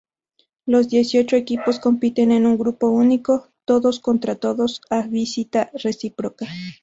Los dieciocho equipos compiten en un grupo único, todos contra todos a visita reciproca.